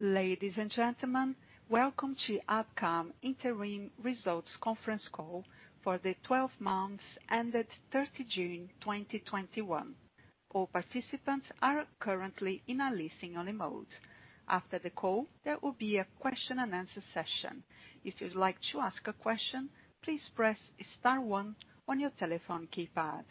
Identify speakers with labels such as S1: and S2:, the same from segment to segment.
S1: Ladies and gentlemen, welcome to Abcam Interim Results Conference Call for the 12 months ended 30th June 2021. All participants are currently in a listen-only mode. After the call, there will be a question and answer session. If you'd like to ask a question, please press star one on your telephone keypad.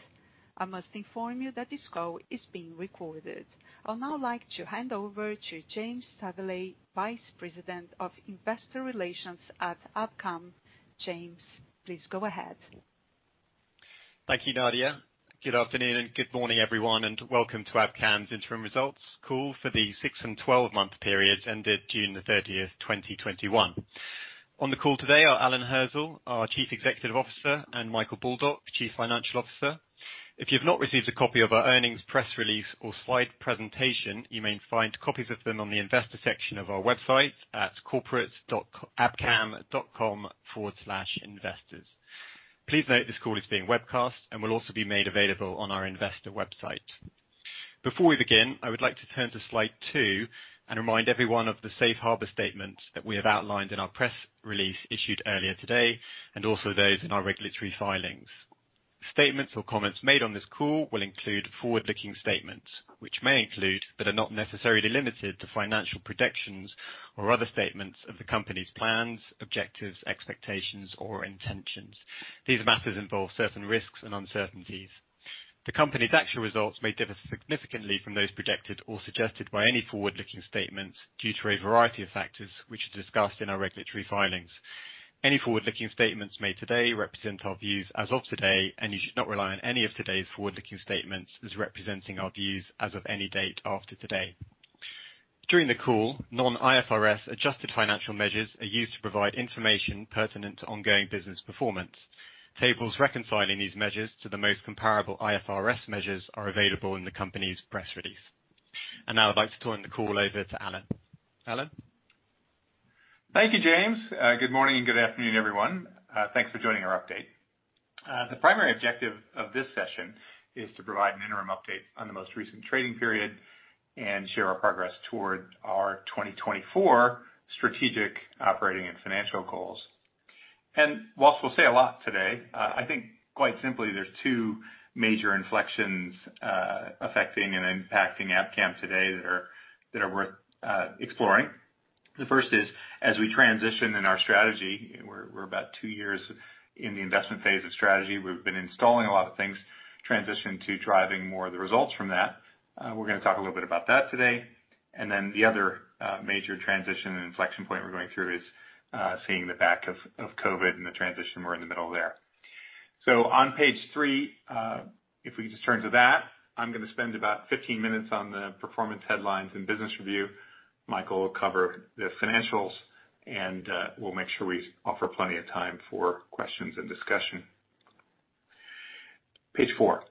S1: I must inform you that this call is being recorded. I would now like to hand over to James Staveley, Vice President of Investor Relations at Abcam. James, please go ahead.
S2: Thank you, Nadia. Good afternoon and good morning, everyone, welcome to Abcam's interim results call for the 6 and 12-month period ended June the 30th, 2021. On the call today are Alan Hirzel, our Chief Executive Officer, and Michael Baldock, Chief Financial Officer. If you've not received a copy of our earnings press release or slide presentation, you may find copies of them on the investor section of our website at corporate.abcam.com/investors. Please note this call is being webcast and will also be made available on our investor website. Before we begin, I would like to turn to slide two and remind everyone of the safe harbor statement that we have outlined in our press release issued earlier today, also those in our regulatory filings. Statements or comments made on this call will include forward-looking statements, which may include, but are not necessarily limited to, financial projections or other statements of the company's plans, objectives, expectations, or intentions. These matters involve certain risks and uncertainties. The company's actual results may differ significantly from those projected or suggested by any forward-looking statements due to a variety of factors, which are discussed in our regulatory filings. Any forward-looking statements made today represent our views as of today, and you should not rely on any of today's forward-looking statements as representing our views as of any date after today. During the call, non-IFRS adjusted financial measures are used to provide information pertinent to ongoing business performance. Tables reconciling these measures to the most comparable IFRS measures are available in the company's press release. Now I'd like to turn the call over to Alan. Alan?
S3: Thank you, James. Good morning and good afternoon, everyone. Thanks for joining our update. The primary objective of this session is to provide an interim update on the most recent trading period and share our progress toward our 2024 strategic operating and financial goals. Whilst we'll say a lot today, I think quite simply, there's two major inflections affecting and impacting Abcam today that are worth exploring. The first is as we transition in our strategy, we're about two years in the investment phase of strategy. We've been installing a lot of things, transition to driving more of the results from that. We're going to talk a little bit about that today. Then the other major transition and inflection point we're going through is seeing the back of COVID and the transition we're in the middle of there. On page three, if we just turn to that, I'm going to spend about 15 minutes on the performance headlines and business review. Michael will cover the financials, and we'll make sure we offer plenty of time for questions and discussion. Page four.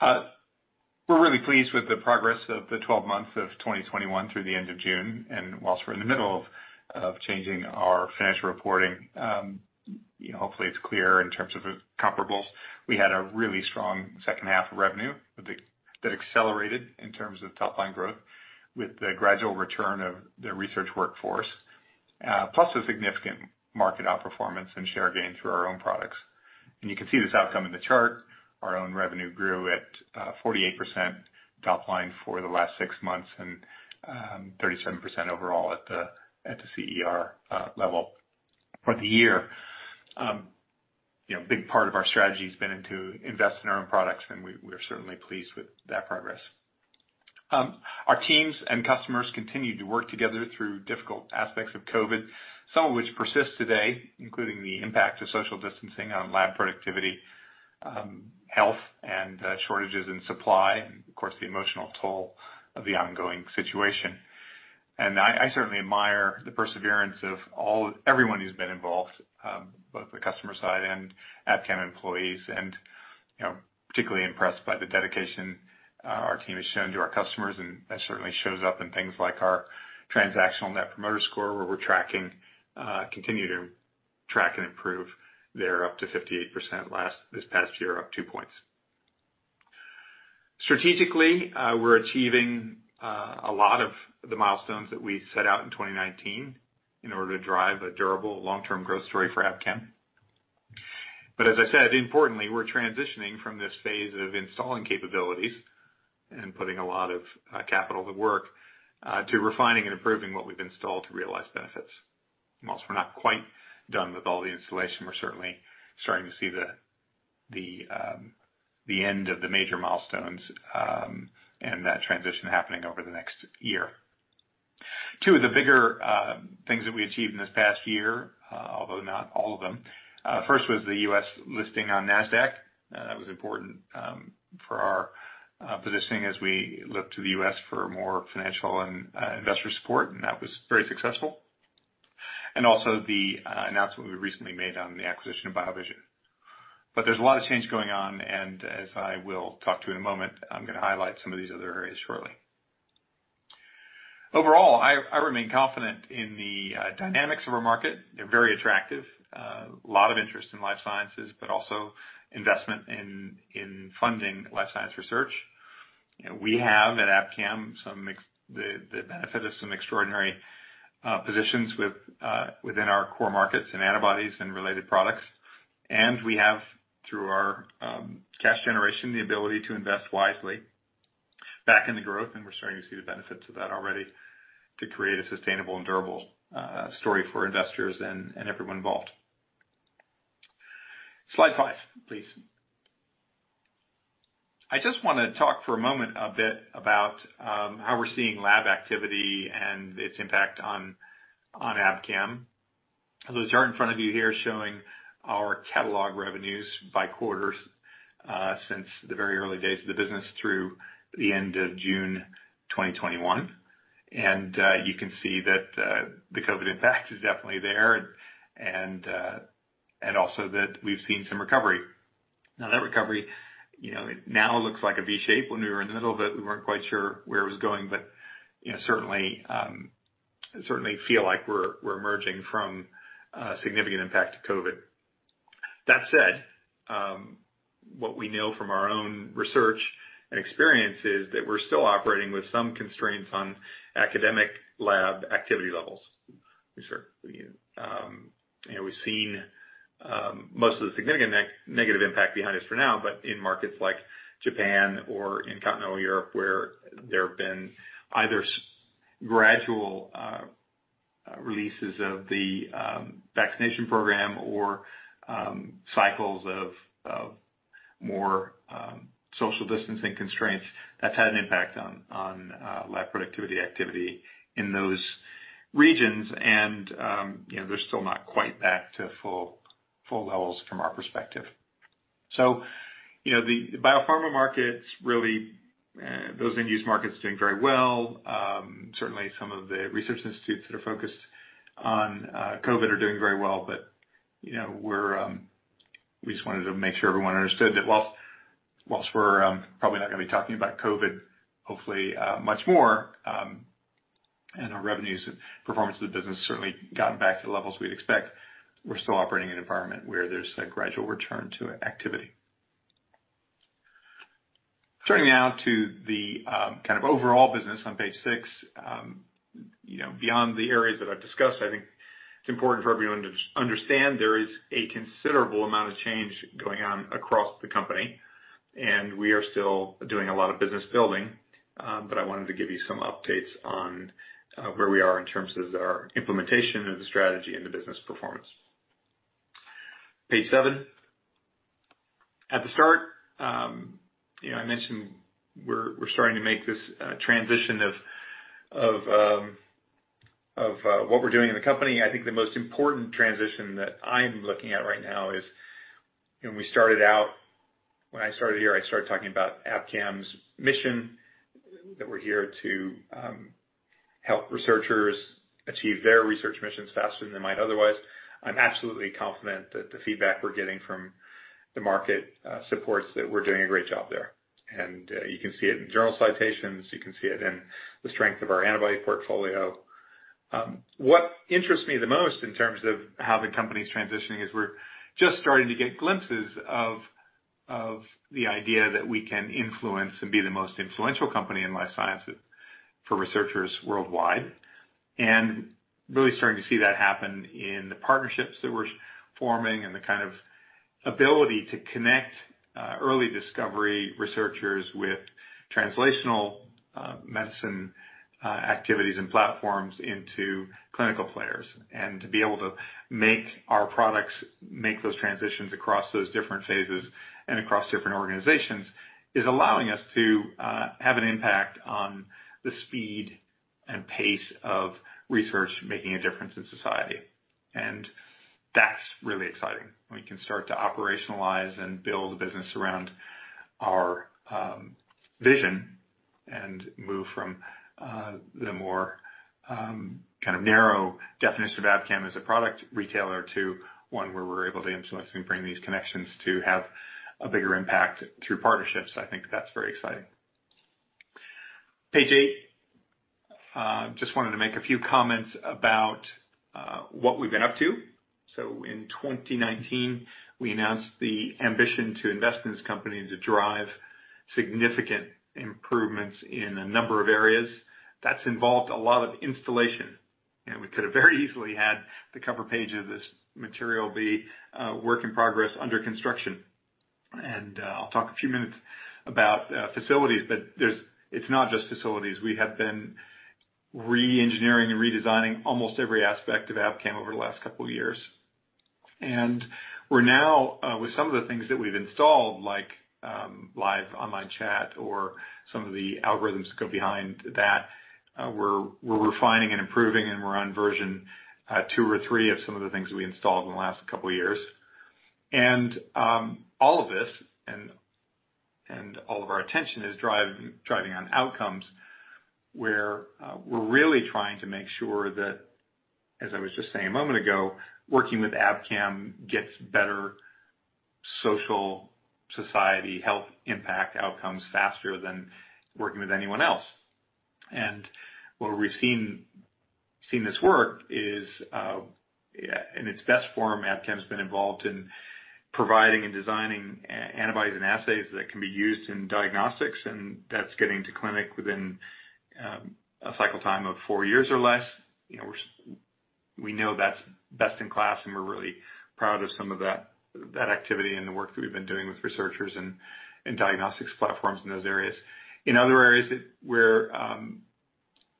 S3: We're really pleased with the progress of the 12 months of 2021 through the end of June. While we're in the middle of changing our financial reporting, hopefully it's clear in terms of comparables. We had a really strong second half of revenue that accelerated in terms of top-line growth with the gradual return of the research workforce, plus a significant market outperformance and share gain through our own products. You can see this outcome in the chart. Our own revenue grew at 48% top line for the last six months and 37% overall at the CER level for the year. A big part of our strategy has been into investing in our own products, and we're certainly pleased with that progress. Our teams and customers continued to work together through difficult aspects of COVID, some of which persist today, including the impact of social distancing on lab productivity, health and shortages in supply, and of course, the emotional toll of the ongoing situation. I certainly admire the perseverance of everyone who's been involved, both the customer side and Abcam employees, and particularly impressed by the dedication our team has shown to our customers, and that certainly shows up in things like our transactional Net Promoter Score, where we continue to track and improve there up to 58% this past year, up 2 points. Strategically, we're achieving a lot of the milestones that we set out in 2019 in order to drive a durable long-term growth story for Abcam. As I said, importantly, we're transitioning from this phase of installing capabilities and putting a lot of capital to work, to refining and improving what we've installed to realize benefits. Whilst we're not quite done with all the installation, we're certainly starting to see the end of the major milestones, and that transition happening over the next year. Two of the bigger things that we achieved in this past year, although not all of them. First was the U.S. listing on Nasdaq. That was important for our positioning as we look to the U.S. for more financial and investor support, and that was very successful. Also the announcement we recently made on the acquisition of BioVision. There's a lot of change going on, and as I will talk to in a moment, I'm going to highlight some of these other areas shortly. Overall, I remain confident in the dynamics of our market. They're very attractive. A lot of interest in life sciences, but also investment in funding life science research. We have, at Abcam, the benefit of some extraordinary positions within our core markets in antibodies and related products. We have, through our cash generation, the ability to invest wisely back in the growth, and we're starting to see the benefits of that already to create a sustainable and durable story for investors and everyone involved. Slide five, please. I just want to talk for a moment a bit about how we're seeing lab activity and its impact on Abcam. Those are in front of you here showing our catalog revenues by quarters since the very early days of the business through the end of June 2021. You can see that the COVID impact is definitely there and also that we've seen some recovery. Now that recovery, it now looks like a V shape. When we were in the middle of it, we weren't quite sure where it was going, but certainly feel like we're emerging from a significant impact of COVID. That said, what we know from our own research and experience is that we're still operating with some constraints on academic lab activity levels. We've seen most of the significant negative impact behind us for now, but in markets like Japan or in continental Europe, where there have been either gradual releases of the vaccination program or cycles of more social distancing constraints, that's had an impact on lab productivity activity in those regions. They're still not quite back to full levels from our perspective. The biopharma markets, really, those end-use markets are doing very well. Certainly, some of the research institutes that are focused on COVID are doing very well. We just wanted to make sure everyone understood that whilst we're probably not going to be talking about COVID, hopefully much more, and our revenues and performance of the business certainly gotten back to the levels we'd expect, we're still operating in an environment where there's a gradual return to activity. Turning now to the overall business on page 6. Beyond the areas that I've discussed, I think it's important for everyone to understand there is a considerable amount of change going on across the company, and we are still doing a lot of business building. I wanted to give you some updates on where we are in terms of our implementation of the strategy and the business performance. Page 7. At the start, I mentioned we're starting to make this transition of what we're doing in the company. I think the most important transition that I'm looking at right now is when I started here, I started talking about Abcam's mission, that we're here to help researchers achieve their research missions faster than they might otherwise. I'm absolutely confident that the feedback we're getting from the market supports that we're doing a great job there. You can see it in journal citations. You can see it in the strength of our antibody portfolio. What interests me the most in terms of how the company's transitioning is we're just starting to get glimpses of the idea that we can influence and be the most influential company in life sciences for researchers worldwide. Really starting to see that happen in the partnerships that we're forming and the kind of ability to connect early discovery researchers with translational medicine activities and platforms into clinical players. To be able to make our products make those transitions across those different phases and across different organizations is allowing us to have an impact on the speed and pace of research making a difference in society, and that's really exciting. We can start to operationalize and build a business around our vision and move from the more narrow definition of Abcam as a product retailer to one where we're able to influence and bring these connections to have a bigger impact through partnerships. I think that's very exciting. Page eight. Just wanted to make a few comments about what we've been up to. In 2019, we announced the ambition to invest in this company and to drive significant improvements in a number of areas. That's involved a lot of installation. We could have very easily had the cover page of this material be a work in progress, under construction. I'll talk a few minutes about facilities, but it's not just facilities. We have been re-engineering and redesigning almost every aspect of Abcam over the last couple of years. We're now, with some of the things that we've installed, like live online chat or some of the algorithms that go behind that, we're refining and improving, and we're on version two or three of some of the things that we installed in the last couple of years. All of this and all of our attention is driving on outcomes where we're really trying to make sure that, as I was just saying a moment ago, working with Abcam gets better social society health impact outcomes faster than working with anyone else. What we've seen this work is, in its best form, Abcam's been involved in providing and designing antibodies and assays that can be used in diagnostics, and that's getting to clinic within a cycle time of four years or less. We know that's best in class, and we're really proud of some of that activity and the work that we've been doing with researchers and diagnostics platforms in those areas. In other areas,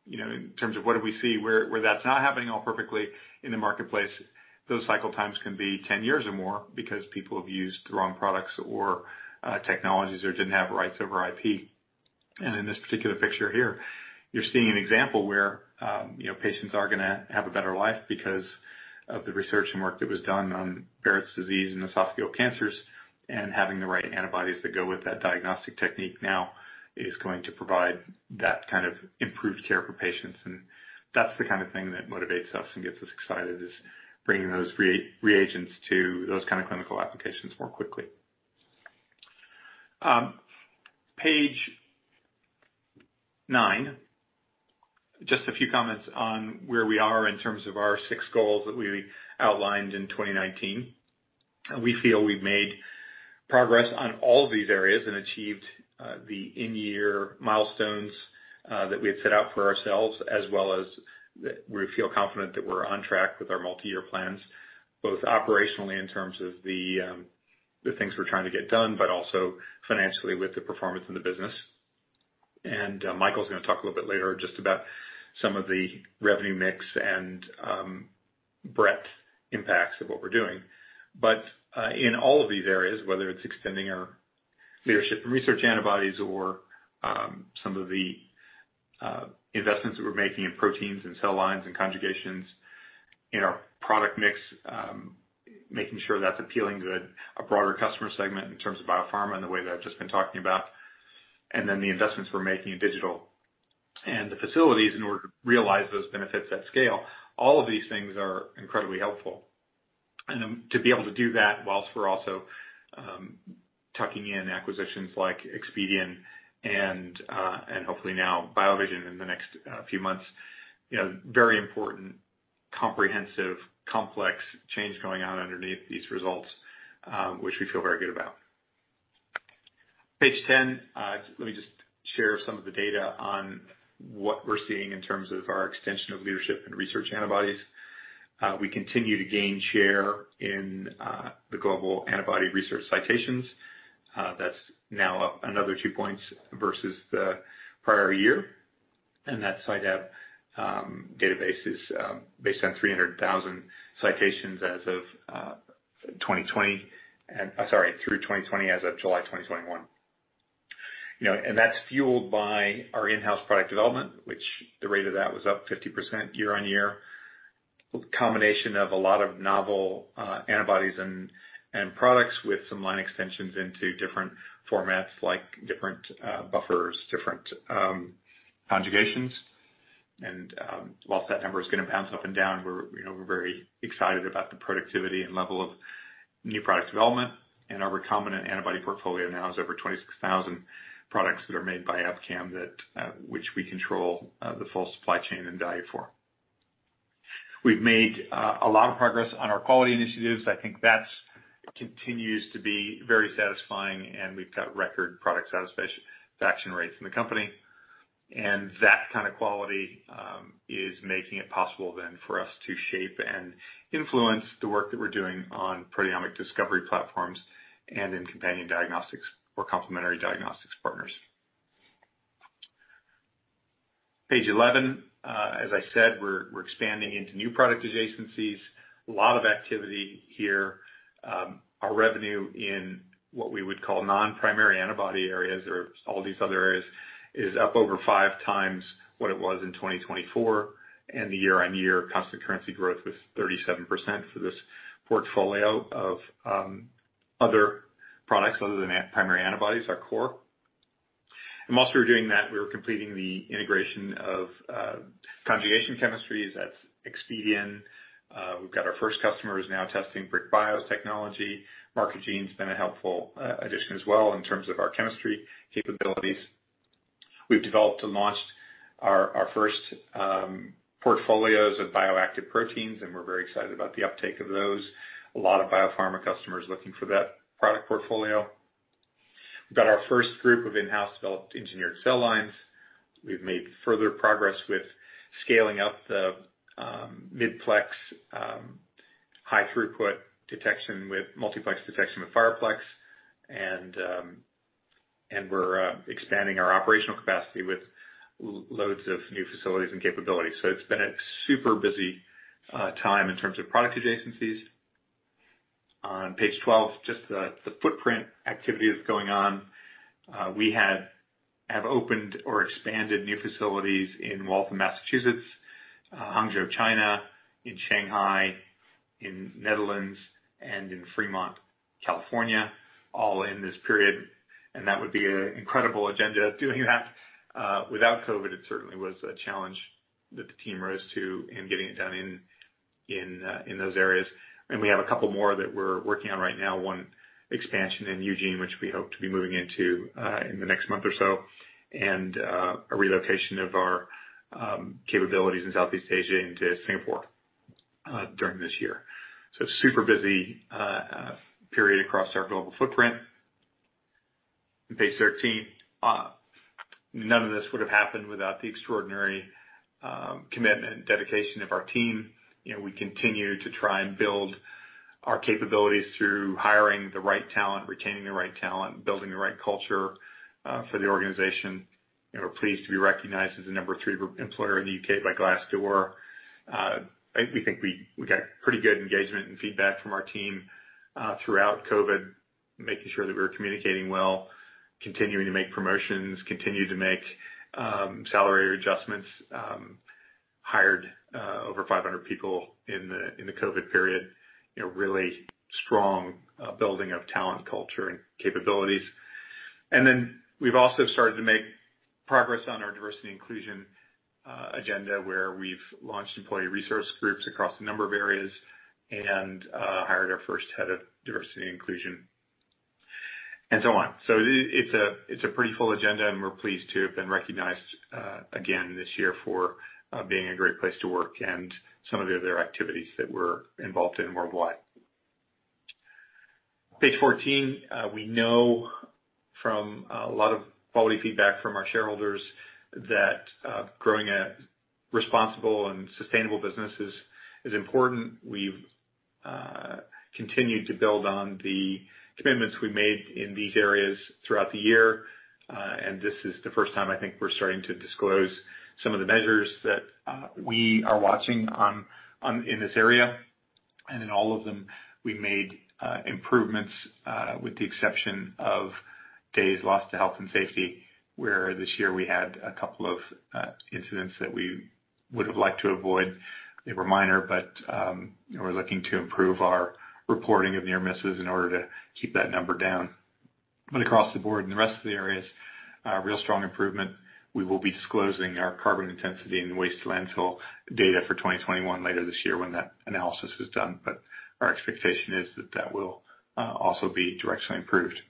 S3: in terms of what do we see, where that's not happening all perfectly in the marketplace, those cycle times can be 10 years or more because people have used the wrong products or technologies or didn't have rights over IP. In this particular picture here, you're seeing an example where patients are going to have a better life because of the research and work that was done on Barrett's esophagus and esophageal cancers and having the right antibodies that go with that diagnostic technique now is going to provide that kind of improved care for patients and that's the kind of thing that motivates us and gets us excited, is bringing those reagents to those kind of clinical applications more quickly. Page nine, just a few comments on where we are in terms of our six goals that we outlined in 2019. We feel we've made progress on all of these areas and achieved the in-year milestones that we had set out for ourselves, as well as we feel confident that we're on track with our multi-year plans, both operationally in terms of the things we're trying to get done, but also financially with the performance of the business. Michael's going to talk a little bit later just about some of the revenue mix and breadth impacts of what we're doing. In all of these areas, whether it's extending our leadership in research antibodies or some of the investments that we're making in proteins and cell lines and conjugations in our product mix, making sure that's appealing to a broader customer segment in terms of biopharma in the way that I've just been talking about, then the investments we're making in digital and the facilities in order to realize those benefits at scale. All of these things are incredibly helpful. To be able to do that whilst we're also tucking in acquisitions like Expedeon and hopefully now BioVision in the next few months, very important, comprehensive, complex change going on underneath these results, which we feel very good about. Page 10, let me just share some of the data on what we're seeing in terms of our extension of leadership in research antibodies. We continue to gain share in the global antibody research citations. That's now up another two points versus the prior year, and that CiteAb database is based on 300,000 citations through 2020 as of July 2021. That's fueled by our in-house product development, which the rate of that was up 50% year-on-year. Combination of a lot of novel antibodies and products with some line extensions into different formats, like different buffers, different conjugations. Whilst that number is going to bounce up and down, we're very excited about the productivity and level of new product development. Our recombinant antibody portfolio now is over 26,000 products that are made by Abcam, which we control the full supply chain and value for. We've made a lot of progress on our quality initiatives. I think that continues to be very satisfying and we've got record product satisfaction rates in the company. That kind of quality is making it possible then for us to shape and influence the work that we're doing on proteomic discovery platforms and in companion diagnostics or complementary diagnostics partners. Page 11, as I said, we're expanding into new product adjacencies. A lot of activity here. Our revenue in what we would call non-primary antibody areas or all these other areas is up over 5x what it was in 2024, and the year-over-year constant currency growth was 37% for this portfolio of other products other than primary antibodies, our core. Whilst we were doing that, we were completing the integration of conjugation chemistries. That's Expedeon. We've got our first customers now testing BrickBio's technology. Marker Gene's been a helpful addition as well in terms of our chemistry capabilities. We've developed and launched our first portfolios of bioactive proteins, and we're very excited about the uptake of those. A lot of biopharma customers looking for that product portfolio. We've got our first group of in-house developed engineered cell lines. We've made further progress with scaling up the multiplex high throughput detection with FirePlex and we're expanding our operational capacity with loads of new facilities and capabilities. It's been a super busy time in terms of product adjacencies. On page 12, just the footprint activity that's going on. We have opened or expanded new facilities in Waltham, Massachusetts, Hangzhou, China, in Shanghai, in Netherlands, and in Fremont, California, all in this period. That would be an incredible agenda doing that without COVID. It certainly was a challenge that the team rose to and gave us-In those areas. We have a couple more that we're working on right now. One expansion in Eugene, which we hope to be moving into, in the next month or so, and a relocation of our capabilities in Southeast Asia into Singapore during this year. Super busy period across our global footprint. Page 13. None of this would've happened without the extraordinary commitment and dedication of our team. We continue to try and build our capabilities through hiring the right talent, retaining the right talent, building the right culture for the organization, and we're pleased to be recognized as the number three employer in the U.K. by Glassdoor. I think we got pretty good engagement and feedback from our team throughout COVID, making sure that we were communicating well, continuing to make promotions, continue to make salary adjustments. Hired over 500 people in the COVID period. Really strong building of talent, culture, and capabilities. We've also started to make progress on our diversity inclusion agenda, where we've launched employee resource groups across a number of areas and hired our first Head of Diversity and Inclusion, and so on. It's a pretty full agenda, and we're pleased to have been recognized again this year for being a great place to work and some of the other activities that we're involved in worldwide. Page 14. We know from a lot of quality feedback from our shareholders that growing a responsible and sustainable business is important. We've continued to build on the commitments we made in these areas throughout the year. This is the 1st time I think we're starting to disclose some of the measures that we are watching in this area. In all of them, we made improvements, with the exception of days lost to health and safety, where this year we had a couple of incidents that we would've liked to avoid. They were minor. We're looking to improve our reporting of near misses in order to keep that number down. Across the board in the rest of the areas, real strong improvement. We will be disclosing our carbon intensity and waste landfill data for 2021 later this year when that analysis is done. Our expectation is that that will also be directionally improved.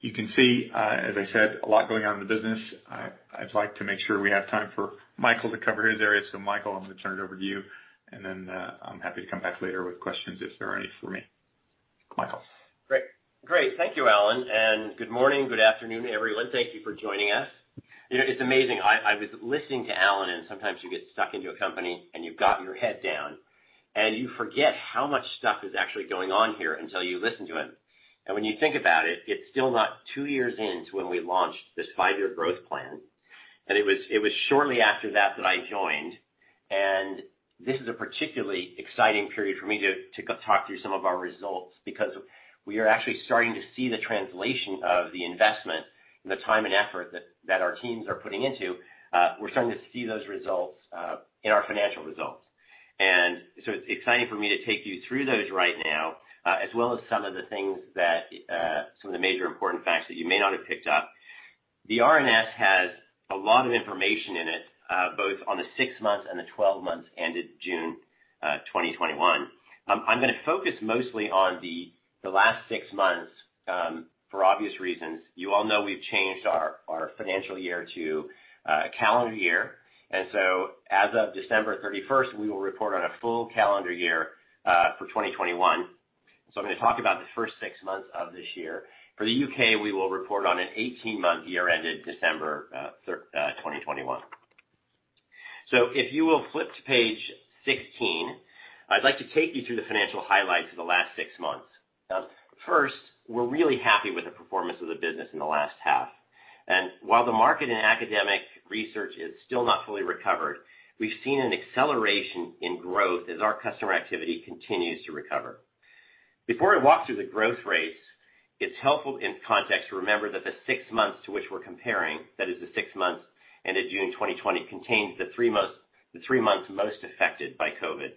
S3: You can see, as I said, a lot going on in the business. I'd like to make sure we have time for Michael to cover his area. Michael, I'm going to turn it over to you and then I'm happy to come back later with questions if there are any for me. Michael.
S4: Great. Thank you, Alan. Good morning, good afternoon, everyone. Thank you for joining us. It's amazing. I was listening to Alan. Sometimes you get stuck into a company and you've got your head down and you forget how much stuff is actually going on here until you listen to him. When you think about it's still not two years in to when we launched this five-year growth plan. It was shortly after that that I joined. This is a particularly exciting period for me to talk through some of our results because we are actually starting to see the translation of the investment and the time and effort that our teams are putting into. We're starting to see those results in our financial results. It's exciting for me to take you through those right now, as well as some of the major important facts that you may not have picked up. The RNS has a lot of information in it, both on the six months and the 12 months ended June 2021. I'm going to focus mostly on the last six months, for obvious reasons. You all know we've changed our financial year to a calendar year, as of December 31st, we will report on a full calendar year, for 2021. I'm going to talk about the first six months of this year. For the U.K., we will report on an 18-month year ended December 2021. If you will flip to page 16, I'd like to take you through the financial highlights of the last six months. We're really happy with the performance of the business in the last half. While the market and academic research is still not fully recovered, we've seen an acceleration in growth as our customer activity continues to recover. Before I walk through the growth rates, it's helpful in context to remember that the six months to which we're comparing, that is the six months ended June 2020, contains the three months most affected by COVID.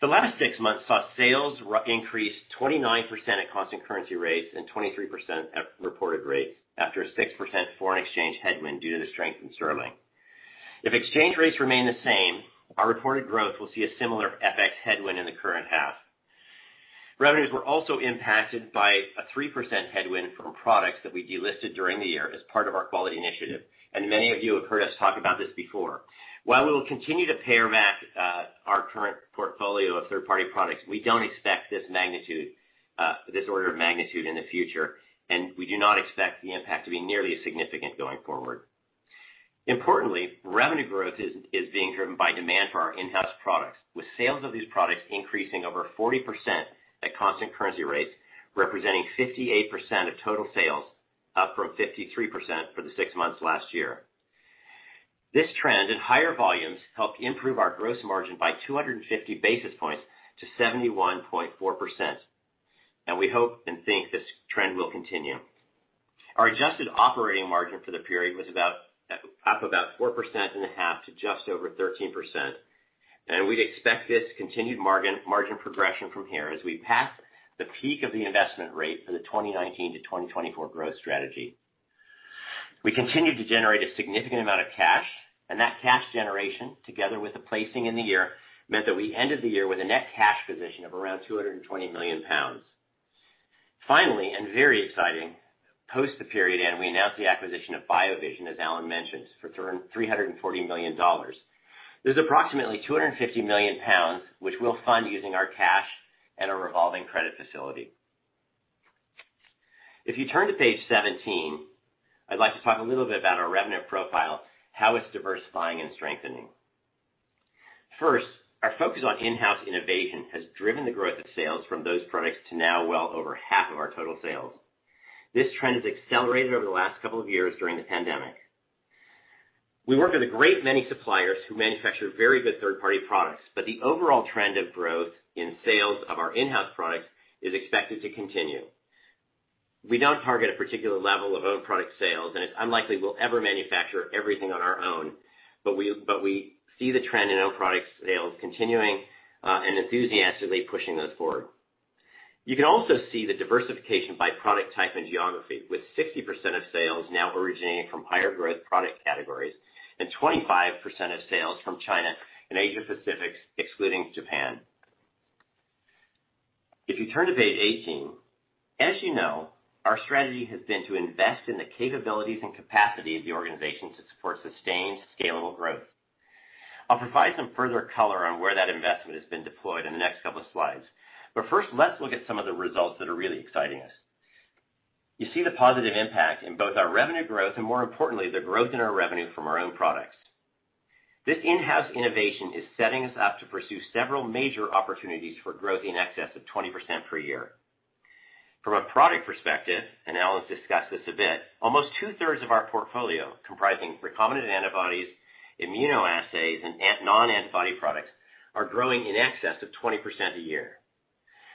S4: The last six months saw sales increase 29% at constant currency rates and 23% at reported rates after a 6% foreign exchange headwind due to the strength in sterling. If exchange rates remain the same, our reported growth will see a similar FX headwind in the current half. Revenues were also impacted by a 3% headwind from products that we delisted during the year as part of our quality initiative, and many of you have heard us talk about this before. While we will continue to pare back our current portfolio of third-party products, we don't expect this order of magnitude in the future, and we do not expect the impact to be nearly as significant going forward. Importantly, revenue growth is being driven by demand for our in-house products, with sales of these products increasing over 40% at constant currency rates, representing 58% of total sales, up from 53% for the six months last year. This trend and higher volumes helped improve our gross margin by 250 basis points to 71.4%, and we hope and think this trend will continue. Our adjusted operating margin for the period was up about 4.5% to just over 13%. We'd expect this continued margin progression from here as we pass the peak of the investment rate for the 2019 to 2024 growth strategy. We continued to generate a significant amount of cash, and that cash generation, together with the placing in the year, meant that we ended the year with a net cash position of around £220 million. Finally, and very exciting, post the period end, we announced the acquisition of BioVision, as Alan mentioned, for $340 million. There's approximately £250 million, which we'll fund using our cash and our revolving credit facility. If you turn to page 17, I'd like to talk a little bit about our revenue profile, how it's diversifying and strengthening. First, our focus on in-house innovation has driven the growth of sales from those products to now well over half of our total sales. This trend has accelerated over the last couple of years during the pandemic. We work with a great many suppliers who manufacture very good third-party products, but the overall trend of growth in sales of our in-house products is expected to continue. We don't target a particular level of own product sales, and it's unlikely we'll ever manufacture everything on our own. But we see the trend in our product sales continuing, and enthusiastically pushing those forward. You can also see the diversification by product type and geography, with 60% of sales now originating from higher growth product categories and 25% of sales from China and Asia Pacific, excluding Japan. If you turn to page 18, as you know, our strategy has been to invest in the capabilities and capacity of the organization to support sustained scalable growth. I'll provide some further color on where that investment has been deployed in the next couple of slides. First, let's look at some of the results that are really exciting us. You see the positive impact in both our revenue growth and, more importantly, the growth in our revenue from our own products. This in-house innovation is setting us up to pursue several major opportunities for growth in excess of 20% per year. From a product perspective, and Alan's discussed this a bit, almost two-thirds of our portfolio, comprising recombinant antibodies, immunoassays, and non-antibody products, are growing in excess of 20% a year.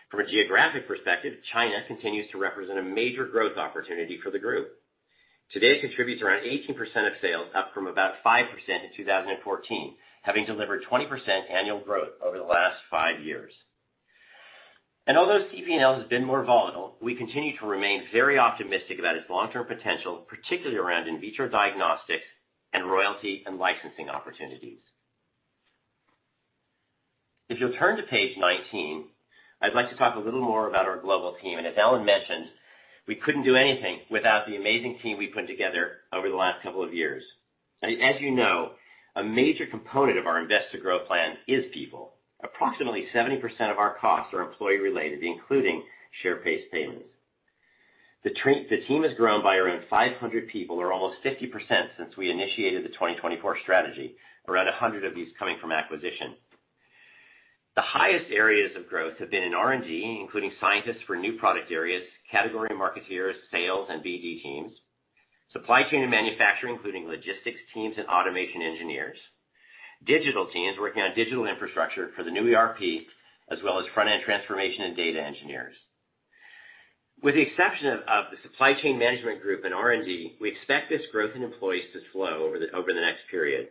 S4: From a geographic perspective, China continues to represent a major growth opportunity for the group. Today, it contributes around 18% of sales, up from about 5% in 2014, having delivered 20% annual growth over the last five years. Although CP&L has been more volatile, we continue to remain very optimistic about its long-term potential, particularly around in vitro diagnostics and royalty and licensing opportunities. If you'll turn to page 19, I'd like to talk a little more about our global team. As Alan mentioned, we couldn't do anything without the amazing team we put together over the last couple of years. As you know, a major component of our Invest to Grow plan is people. Approximately 70% of our costs are employee-related, including share-based payments. The team has grown by around 500 people or almost 50% since we initiated the 2024 strategy. Around 100 of these coming from acquisition. The highest areas of growth have been in R&D, including scientists for new product areas, category marketeers, sales, and BD teams. Supply chain and manufacturing, including logistics teams and automation engineers. Digital teams working on digital infrastructure for the new ERP, as well as front-end transformation and data engineers. With the exception of the supply chain management group and R&D, we expect this growth in employees to flow over the next period.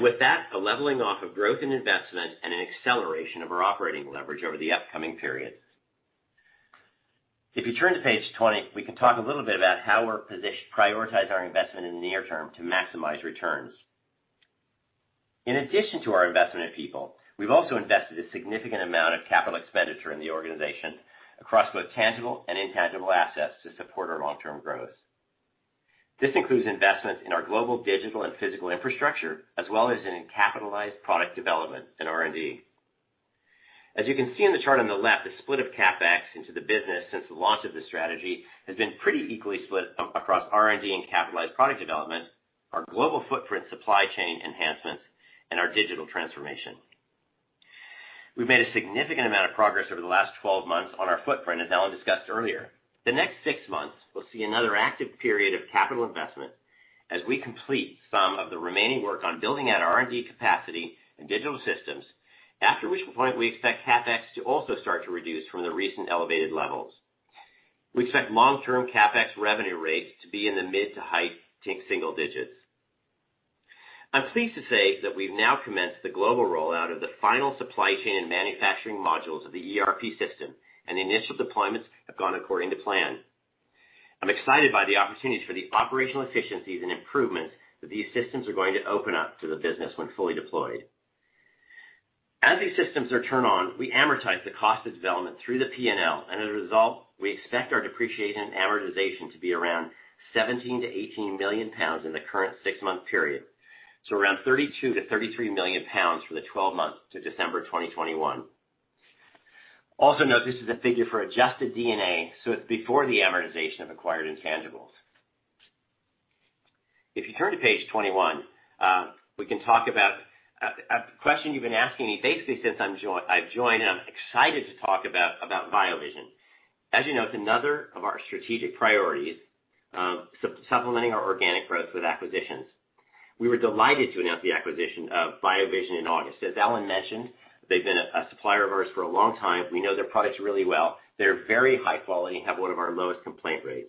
S4: With that, a leveling off of growth and investment and an acceleration of our operating leverage over the upcoming periods. If you turn to page 20, we can talk a little bit about how we're prioritize our investment in the near term to maximize returns. In addition to our investment in people, we've also invested a significant amount of capital expenditure in the organization across both tangible and intangible assets to support our long-term growth. This includes investment in our global digital and physical infrastructure, as well as in capitalized product development and R&D. As you can see in the chart on the left, the split of CapEx into the business since the launch of the strategy has been pretty equally split across R&D and capitalized product development, our global footprint supply chain enhancements, and our digital transformation. We've made a significant amount of progress over the last 12 months on our footprint, as Alan discussed earlier. The next six months, we'll see another active period of capital investment as we complete some of the remaining work on building out R&D capacity and digital systems, after which point we expect CapEx to also start to reduce from the recent elevated levels. We expect long-term CapEx revenue rates to be in the mid to high single digits. I'm pleased to say that we've now commenced the global rollout of the final supply chain and manufacturing modules of the ERP system, the initial deployments have gone according to plan. I'm excited by the opportunities for the operational efficiencies and improvements that these systems are going to open up to the business when fully deployed. As these systems are turned on, we amortize the cost of development through the P&L, as a result, we expect our depreciation and amortization to be around £17 million-£18 million in the current six-month period, so around £32 million-£33 million for the 12 months to December 2021. Also note, this is a figure for adjusted D&A, it's before the amortization of acquired intangibles. If you turn to page 21, we can talk about a question you've been asking me basically since I've joined, and I'm excited to talk about BioVision. As you know, it's another of our strategic priorities, supplementing our organic growth with acquisitions. We were delighted to announce the acquisition of BioVision in August. As Alan mentioned, they've been a supplier of ours for a long time. We know their products really well. They're very high quality, have one of our lowest complaint rates.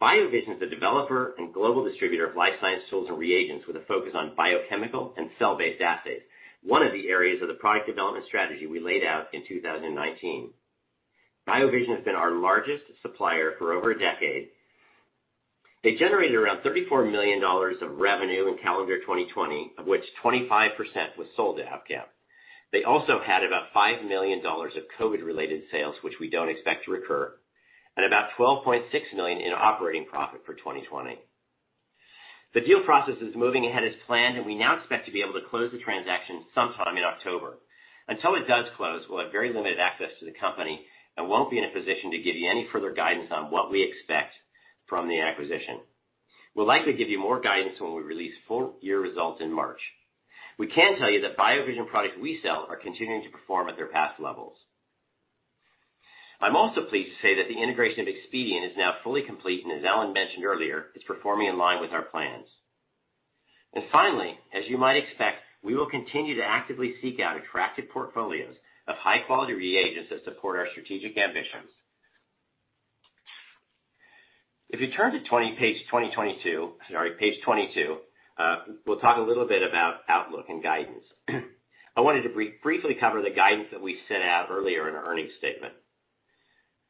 S4: BioVision is the developer and global distributor of life science tools and reagents with a focus on biochemical and cell-based assays, one of the areas of the product development strategy we laid out in 2019. BioVision has been our largest supplier for over a decade. They generated around $34 million of revenue in calendar 2020, of which 25% was sold to Abcam. They also had about GBP 5 million of COVID-related sales, which we don't expect to recur, and about 12.6 million in operating profit for 2020. The deal process is moving ahead as planned, we now expect to be able to close the transaction sometime in October. Until it does close, we'll have very limited access to the company and won't be in a position to give you any further guidance on what we expect from the acquisition. We'll likely give you more guidance when we release full year results in March. We can tell you that BioVision products we sell are continuing to perform at their past levels. I'm also pleased to say that the integration of Expedeon is now fully complete, as Alan mentioned earlier, is performing in line with our plans. Finally, as you might expect, we will continue to actively seek out attractive portfolios of high-quality reagents that support our strategic ambitions. If you turn to page 22, we'll talk a little bit about outlook and guidance. I wanted to briefly cover the guidance that we set out earlier in our earnings statement.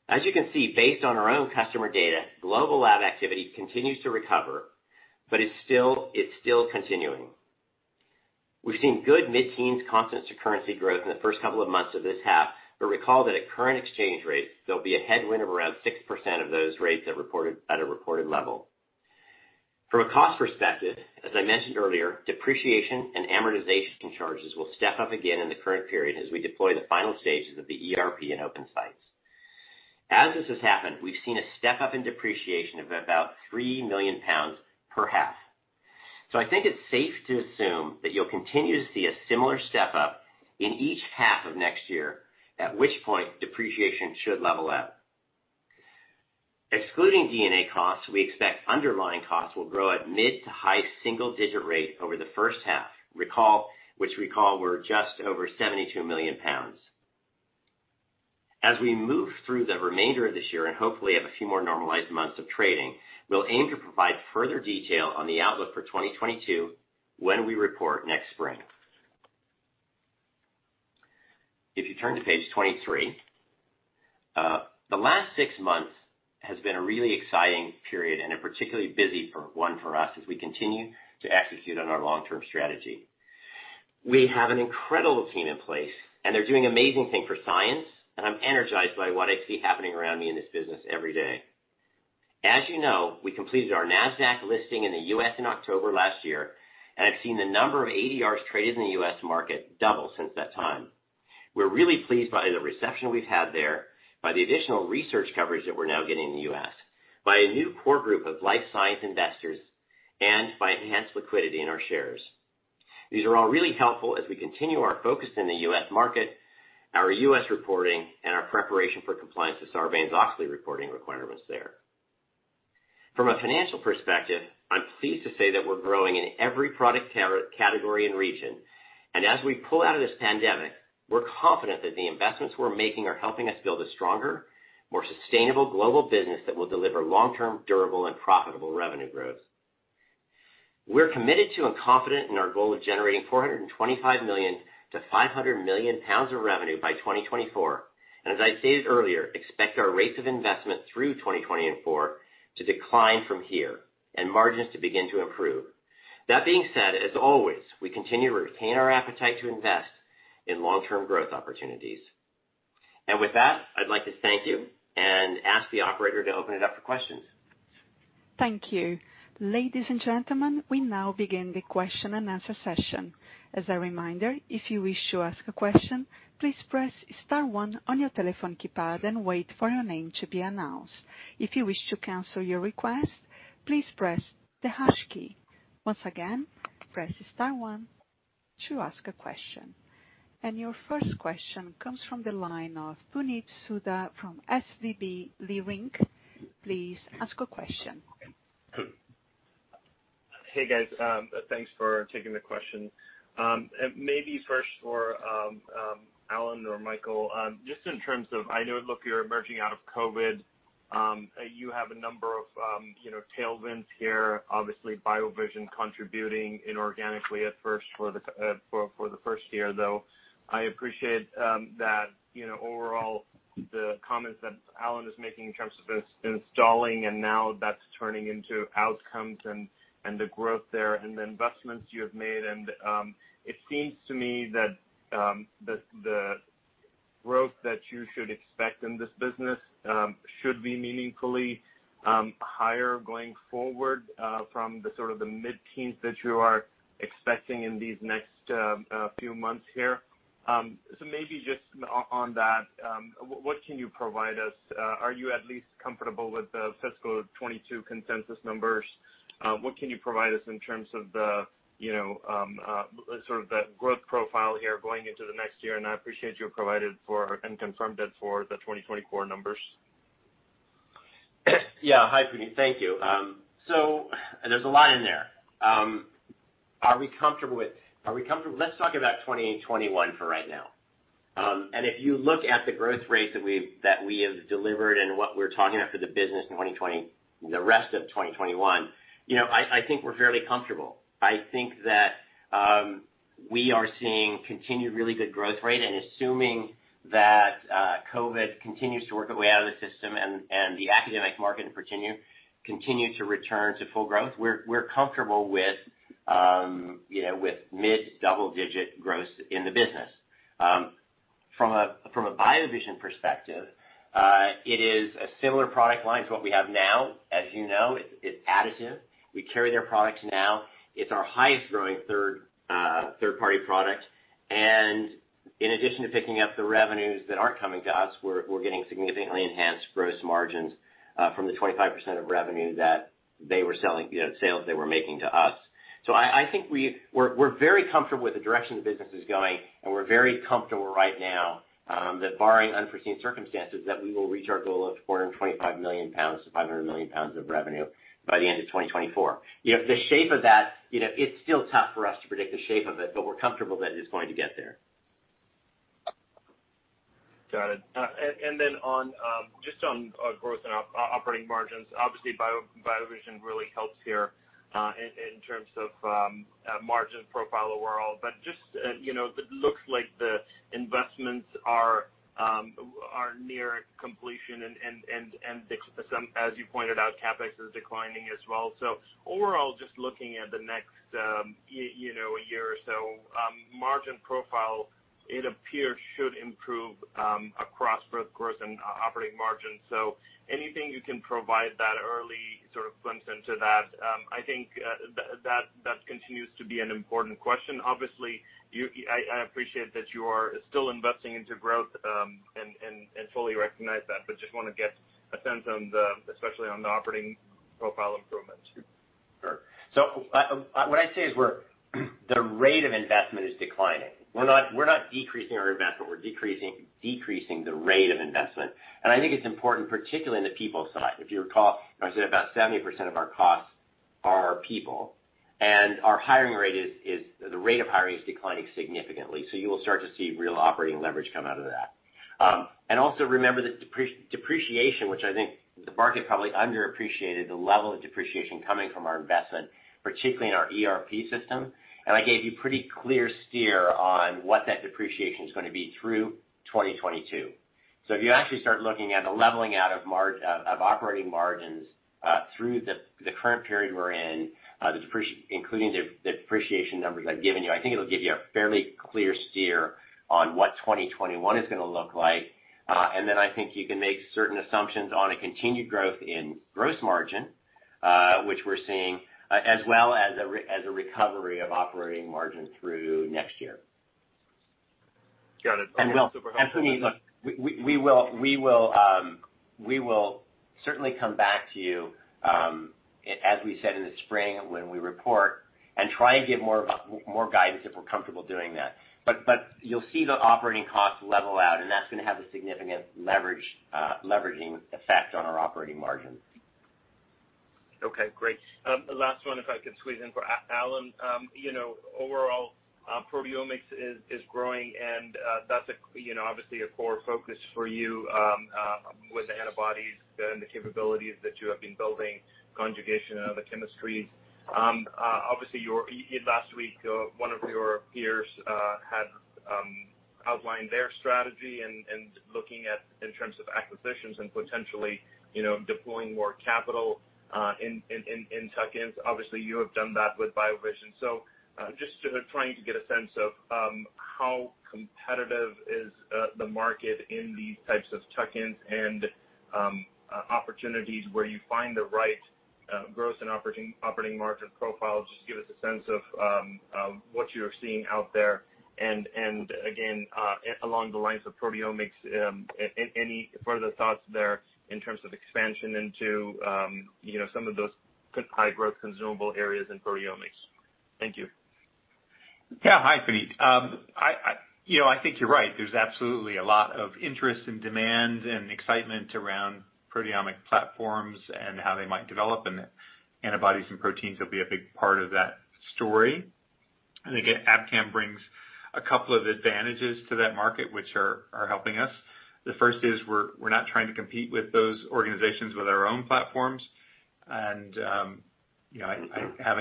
S4: As you can see, based on our own customer data, global lab activity continues to recover, but it's still continuing. We've seen good mid-teens constant to currency growth in the first couple of months of this half. Recall that at current exchange rates, there'll be a headwind of around 6% of those rates at a reported level. From a cost perspective, as I mentioned earlier, depreciation and amortization charges will step up again in the current period as we deploy the final stages of the ERP and Open sites. As this has happened, we've seen a step-up in depreciation of about 3 million pounds per half. I think it's safe to assume that you'll continue to see a similar step-up in each half of next year, at which point depreciation should level out. Excluding D&A costs, we expect underlying costs will grow at mid to high single digit rate over the first half, which recall were just over 72 million pounds. As we move through the remainder of this year and hopefully have a few more normalized months of trading, we'll aim to provide further detail on the outlook for 2022 when we report next spring. If you turn to page 23, the last six months has been a really exciting period and a particularly busy one for us as we continue to execute on our long-term strategy. We have an incredible team in place, and they're doing amazing things for science, and I'm energized by what I see happening around me in this business every day. As you know, we completed our Nasdaq listing in the U.S. in October last year, and I've seen the number of ADRs traded in the U.S. market double since that time. We're really pleased by the reception we've had there, by the additional research coverage that we're now getting in the U.S., by a new core group of life science investors, and by enhanced liquidity in our shares. These are all really helpful as we continue our focus in the U.S. market, our U.S. reporting, and our preparation for compliance to Sarbanes-Oxley reporting requirements there. From a financial perspective, I'm pleased to say that we're growing in every product category and region. As we pull out of this pandemic, we're confident that the investments we're making are helping us build a stronger, more sustainable global business that will deliver long-term, durable, and profitable revenue growth. We're committed to and confident in our goal of generating 425 million-500 million pounds of revenue by 2024, and as I stated earlier, expect our rates of investment through 2024 to decline from here and margins to begin to improve. That being said, as always, we continue to retain our appetite to invest in long-term growth opportunities. With that, I'd like to thank you and ask the operator to open it up for questions.
S1: Thank you. Ladies and gentlemen, we now begin the question and answer session. Your first question comes from the line of Puneet Souda from Leerink Partners. Please ask a question.
S5: Hey, guys. Thanks for taking the question. Maybe first for Alan or Michael, just in terms of, I know, look, you're emerging out of COVID. You have a number of tailwinds here, obviously, BioVision contributing inorganically at first for the first year, though. I appreciate that overall, the comments that Alan is making in terms of installing and now that's turning into outcomes and the growth there and the investments you have made. It seems to me that the growth that you should expect in this business should be meaningfully higher going forward from the mid-teens that you are expecting in these next few months here. Maybe just on that, what can you provide us? Are you at least comfortable with the fiscal 2022 consensus numbers? What can you provide us in terms of the growth profile here going into the next year? I appreciate you provided for and confirmed it for the 2024 numbers.
S4: Yeah. Hi, Puneet. Thank you. There's a line there. Are we comfortable with Let's talk about 2021 for right now. If you look at the growth rate that we have delivered and what we're talking about for the business the rest of 2021, I think we're fairly comfortable. I think that we are seeing continued really good growth rate, and assuming that COVID continues to work our way out of the system and the academic market continue to return to full growth, we're comfortable with mid-double-digit growth in the business. From a BioVision perspective, it is a similar product line to what we have now. As you know, it's additive. We carry their products now. It's our highest growing third-party product. In addition to picking up the revenues that aren't coming to us, we're getting significantly enhanced gross margins from the 25% of revenue that sales they were making to us. I think we're very comfortable with the direction the business is going, and we're very comfortable right now that barring unforeseen circumstances, that we will reach our goal of 425 million-500 million pounds of revenue by the end of 2024. It's still tough for us to predict the shape of it, but we're comfortable that it is going to get there.
S5: Got it. Just on growth and operating margins, obviously BioVision really helps here in terms of margin profile overall. It looks like the investments are near completion and as you pointed out, CapEx is declining as well. Overall, just looking at the next a year or so, margin profile, it appears should improve across both growth and operating margins. Anything you can provide that early sort of glimpse into that, I think that continues to be an important question. I appreciate that you are still investing into growth, and fully recognize that, but just want to get a sense, especially on the operating profile improvements.
S4: Sure. What I'd say is the rate of investment is declining. We're not decreasing our investment. We're decreasing the rate of investment. I think it's important, particularly in the people side. If you recall, as I said, about 70% of our costs are people, and the rate of hiring is declining significantly. You will start to see real operating leverage come out of that. Also remember the depreciation, which I think the market probably underappreciated the level of depreciation coming from our investment, particularly in our ERP system. I gave you pretty clear steer on what that depreciation is going to be through 2022. If you actually start looking at the leveling out of operating margins through the current period we're in, including the depreciation numbers I've given you, I think it'll give you a fairly clear steer on what 2021 is going to look like. I think you can make certain assumptions on a continued growth in gross margin, which we're seeing, as well as a recovery of operating margin through next year.
S5: Got it. That's super helpful.
S4: Puneet look, we will certainly come back to you, as we said in the spring when we report, and try and give more guidance if we're comfortable doing that. You'll see the operating costs level out, and that's going to have a significant leveraging effect on our operating margins.
S5: Okay, great. Last one, if I could squeeze in for Alan. Proteomics is growing and that's obviously a core focus for you with the antibodies and the capabilities that you have been building, conjugation and other chemistries. Last week, one of your peers had outlined their strategy and looking at in terms of acquisitions and potentially deploying more capital in tuck-ins. You have done that with BioVision. Just trying to get a sense of how competitive is the market in these types of tuck-ins and opportunities where you find the right gross and operating margin profiles. Just give us a sense of what you're seeing out there, and again, along the lines of proteomics, any further thoughts there in terms of expansion into some of those high growth consumable areas in proteomics? Thank you.
S3: Yeah. Hi, Puneet. I think you're right. There's absolutely a lot of interest and demand and excitement around proteomic platforms and how they might develop, and antibodies and proteins will be a big part of that story. I think Abcam brings a couple of advantages to that market, which are helping us. The first is we're not trying to compete with those organizations with our own platforms. Having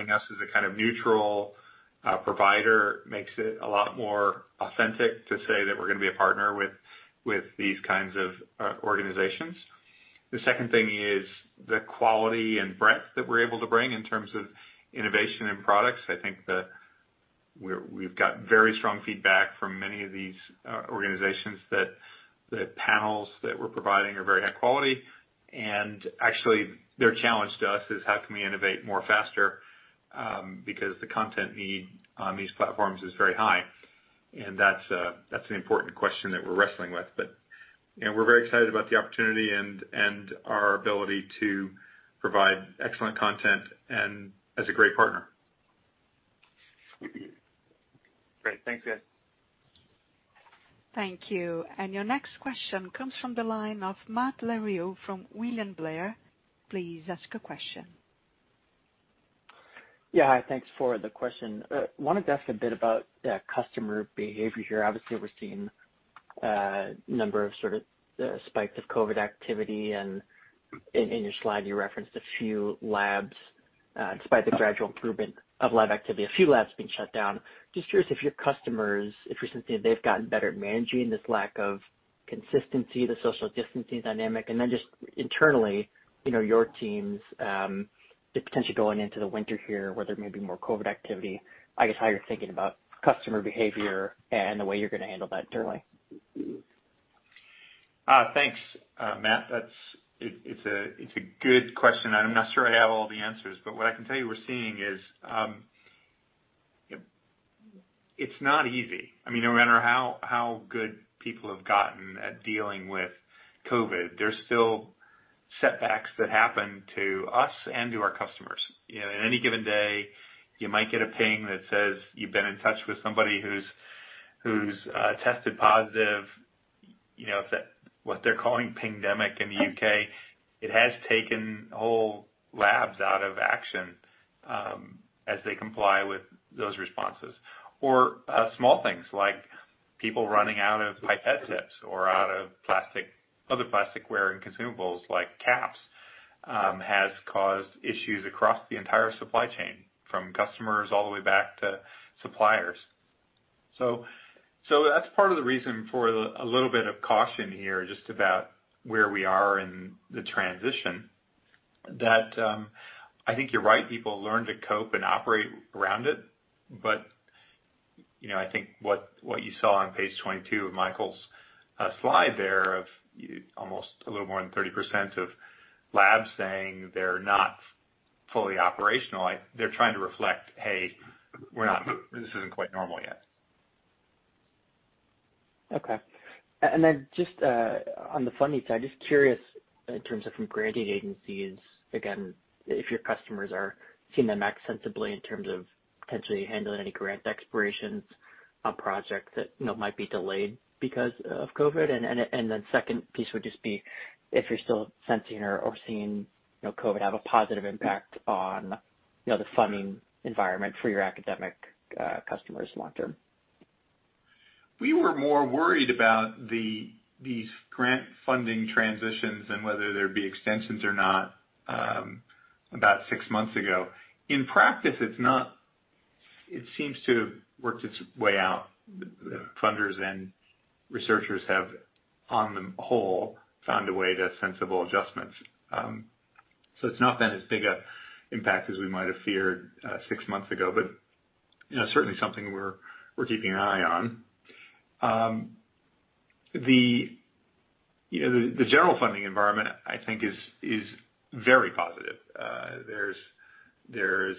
S3: us as a kind of neutral provider makes it a lot more authentic to say that we're going to be a partner with these kinds of organizations. The second thing is the quality and breadth that we're able to bring in terms of innovation and products. I think we've got very strong feedback from many of these organizations that the panels that we're providing are very high quality. Actually, their challenge to us is how can we innovate more faster, because the content need on these platforms is very high. That's an important question that we're wrestling with. We're very excited about the opportunity and our ability to provide excellent content and as a great partner.
S5: Great. Thanks, guys.
S1: Thank you. Your next question comes from the line of Matt Larew from William Blair.
S6: Yeah. Hi, thanks for the question. I wanted to ask a bit about customer behavior here. Obviously, we're seeing a number of sort of spikes of COVID activity. In your slide, you referenced a few labs, despite the gradual improvement of lab activity, a few labs being shut down. I'm just curious if your customers, if recently they've gotten better at managing this lack of consistency, the social distancing dynamic. Just internally, your teams, the potential going into the winter here where there may be more COVID activity, I guess, how you're thinking about customer behavior and the way you're going to handle that internally.
S3: Thanks, Matt. It's a good question, and I'm not sure I have all the answers, but what I can tell you we're seeing is it's not easy. No matter how good people have gotten at dealing with COVID, there's still setbacks that happen to us and to our customers. In any given day, you might get a ping that says you've been in touch with somebody who's tested positive. What they're calling pingdemic in the U.K., it has taken whole labs out of action as they comply with those responses. Small things like people running out of pipette tips or out of other plasticware and consumables like caps has caused issues across the entire supply chain, from customers all the way back to suppliers. That's part of the reason for a little bit of caution here, just about where we are in the transition, that I think you're right, people learn to cope and operate around it. I think what you saw on page 22 of Michael's slide there of almost a little more than 30% of labs saying they're not fully operational, they're trying to reflect, "Hey, this isn't quite normal yet.
S6: Okay. Just on the funding side, just curious in terms of from granting agencies, again, if your customers are seeing them act sensibly in terms of potentially handling any grant expirations on projects that might be delayed because of COVID. Second piece would just be if you're still sensing or seeing COVID have a positive impact on the funding environment for your academic customers long term.
S3: We were more worried about these grant funding transitions and whether there'd be extensions or not about six months ago. In practice, it seems to have worked its way out. The funders and researchers have, on the whole, found a way to sensible adjustments. It's not been as big an impact as we might have feared six months ago, but certainly something we're keeping an eye on. The general funding environment, I think is very positive. There's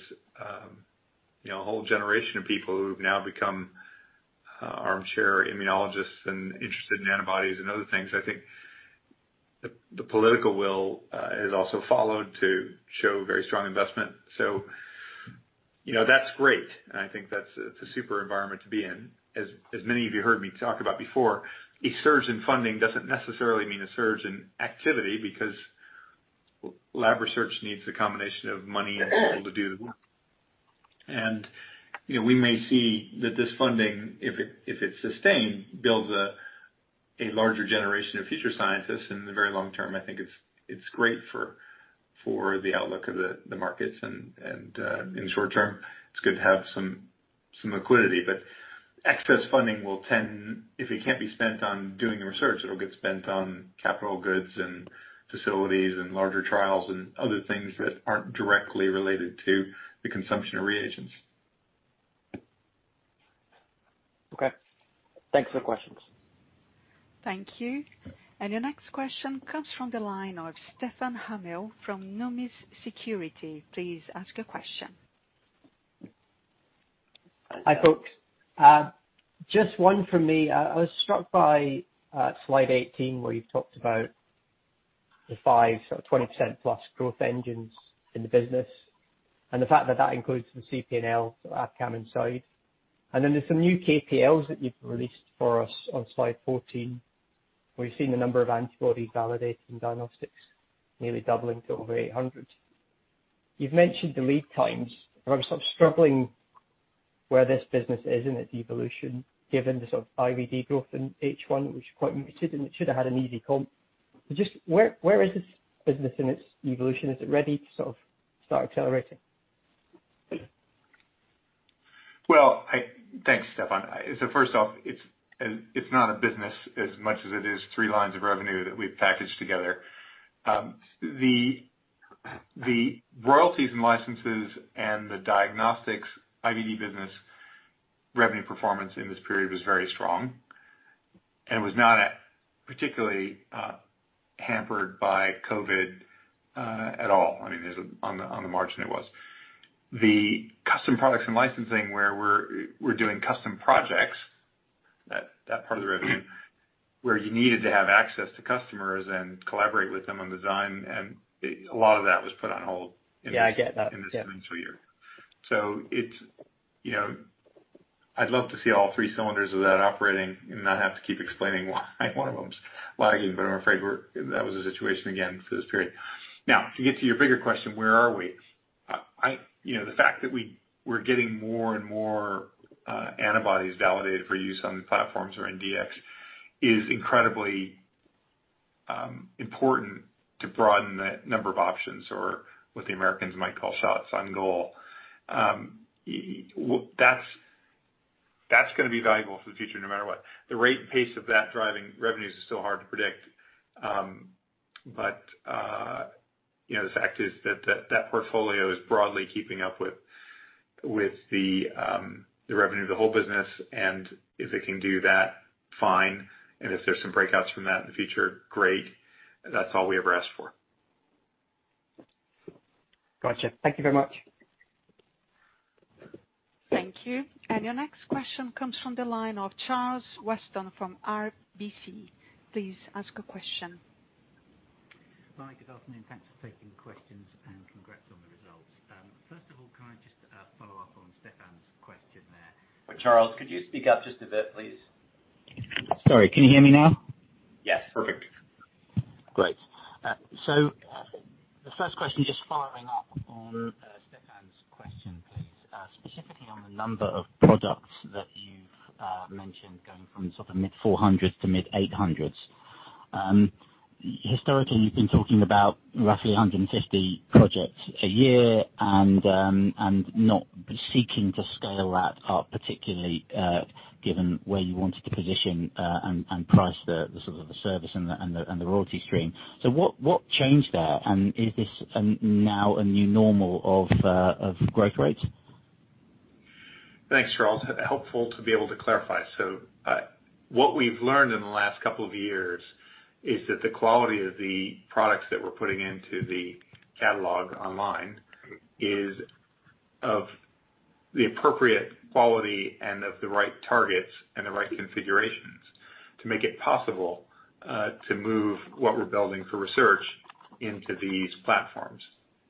S3: a whole generation of people who've now become armchair immunologists and interested in antibodies and other things. I think the political will has also followed to show very strong investment. That's great, and I think that's a super environment to be in. As many of you heard me talk about before, a surge in funding doesn't necessarily mean a surge in activity because lab research needs a combination of money and people to do. We may see that this funding, if it's sustained, builds a larger generation of future scientists in the very long term. I think it's great for the outlook of the markets, and in the short term, it's good to have some liquidity. Excess funding will tend, if it can't be spent on doing the research, it'll get spent on capital goods and facilities and larger trials and other things that aren't directly related to the consumption of reagents.
S6: Okay. Thanks for the questions.
S1: Thank you. Your next question comes from the line of Stefan Hamill from Numis Securities. Please ask a question.
S7: Hi, folks. Just one from me. I was struck by slide 18, where you talked about the five sort of 20%+ growth engines in the business, and the fact that that includes the CP&L, so Abcam Inside. There's some new KPIs that you've released for us on slide 14, where you've seen the number of antibodies validating diagnostics nearly doubling to over 800. You've mentioned the lead times, and I'm sort of struggling where this business is in its evolution, given the sort of IVD growth in H1, which quite admittedly should have had an easy comp. Just where is this business in its evolution? Is it ready to sort of start accelerating?
S3: Well, thanks, Stefan Hamill. First off, it's not a business as much as it is three lines of revenue that we've packaged together. The royalties and licenses and the diagnostics IVD business revenue performance in this period was very strong and was not particularly hampered by COVID at all. On the margin it was. The Custom Products & Licensing where we're doing custom projects, that part of the revenue where you needed to have access to customers and collaborate with them on design, and a lot of that was put on hold.
S7: Yeah, I get that. Yeah.
S3: In this financial year. I'd love to see all three cylinders of that operating and not have to keep explaining why one of them's lagging, I'm afraid that was the situation again for this period. To get to your bigger question, where are we? The fact that we're getting more and more antibodies validated for use on platforms or in DX is incredibly important to broaden the number of options or what the Americans might call shots on goal. That's going to be valuable for the future no matter what. The rate and pace of that driving revenues is still hard to predict. The fact is that portfolio is broadly keeping up with the revenue of the whole business, and if it can do that, fine. If there's some breakouts from that in the future, great. That's all we ever ask for.
S7: Gotcha. Thank you very much.
S1: Thank you. Your next question comes from the line of Charles Weston from RBC. Please ask a question.
S8: Hi, good afternoon. Thanks for taking questions, and congrats on the results. First of all, can I just follow up on Stefan's question there?
S3: Charles, could you speak up just a bit, please?
S8: Sorry. Can you hear me now?
S3: Yes. Perfect.
S8: Great. The first question, just following up on Stefan's question, please, specifically on the number of products that you've mentioned going from sort of mid-400s to mid-800s. Historically, you've been talking about roughly 150 projects a year and not seeking to scale that up particularly, given where you wanted to position and price the sort of the service and the royalty stream. What changed there? Is this now a new normal of growth rates?
S3: Thanks, Charles. Helpful to be able to clarify. What we've learned in the last couple of years is that the quality of the products that we're putting into the catalog online is of the appropriate quality and of the right targets and the right configurations to make it possible to move what we're building for research into these platforms.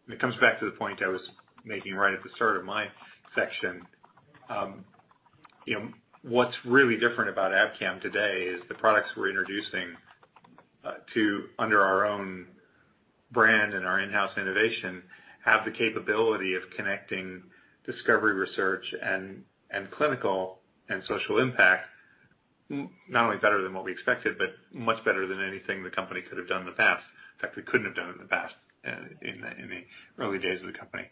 S3: It comes back to the point I was making right at the start of my section. What's really different about Abcam today is the products we're introducing under our own brand and our in-house innovation have the capability of connecting discovery research and clinical and social impact, not only better than what we expected, but much better than anything the company could have done in the past. In fact, we couldn't have done it in the past, in the early days of the company.